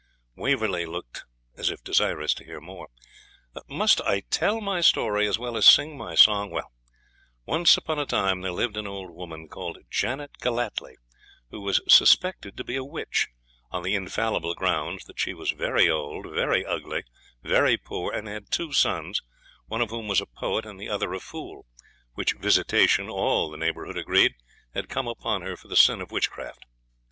Waverley looked as if desirous to hear more. 'Must I tell my story as well as sing my song? Well Once upon a time there lived an old woman, called Janet Gellatley, who was suspected to be a witch, on the infallible grounds that she was very old, very ugly, very poor, and had two sons, one of whom was a poet and the other a fool, which visitation, all the neighbourhood agreed, had come upon her for the sin of witchcraft.